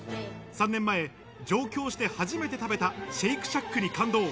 ３年前、上京して初めて食べたシェイク・シャックに感動。